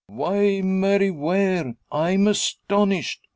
"Why, Mary Ware! I'm astonished!